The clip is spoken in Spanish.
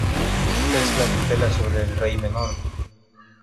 Es la tutela sobre el Rey menor.